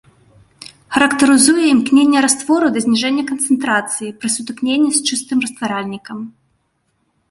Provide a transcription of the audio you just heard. Характарызуе імкненне раствору да зніжэння канцэнтрацыі пры сутыкненні з чыстым растваральнікам.